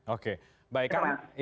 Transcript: oke jadi harus menjadi